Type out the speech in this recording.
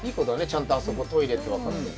ちゃんとあそこトイレって分かって。